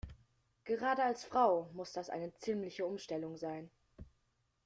Gerade als Frau muss das eine ziemliche Umstellung sein.